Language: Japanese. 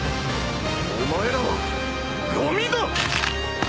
お前らはごみだ！